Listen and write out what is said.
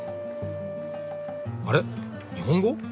あれ日本語。